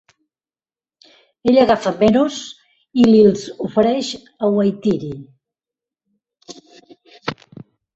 Ell agafa meros i li'ls ofereix a Whaitiri.